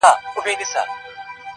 د ساحل روڼو اوبو کي!!